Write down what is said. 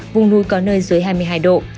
vùng núi có nơi dưới hai mươi hai độ